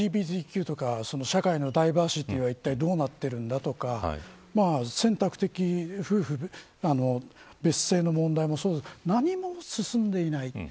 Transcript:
そもそも給料が上がってないしそれからＬＧＢＴＱとか社会のダイバーシティはいったいどうなっているんだとか選択的夫婦別姓の問題もそうですが何も進んでいない。